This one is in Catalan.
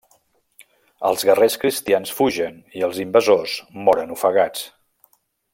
Els guerrers cristians fugen i els invasors moren ofegats.